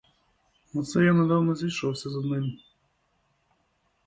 Оце я недавно зійшовся з одним.